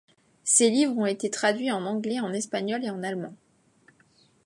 Ses livres ont été traduits en anglais, en espagnol et en allemand.